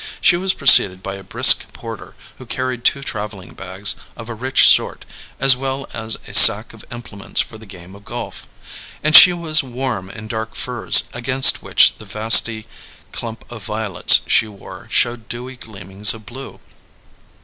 She was preceded by a brisk porter who carried two travelling bags of a rich sort, as well as a sack of implements for the game of golf; and she was warm in dark furs, against which the vasty clump of violets she wore showed dewy gleamings of blue.